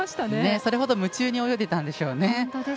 それほど夢中に泳いでたんでしょうね。